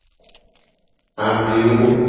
Amewo.